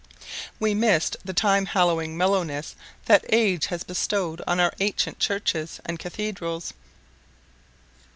We missed the time hallowing mellowness that age has bestowed on our ancient churches and cathedrals.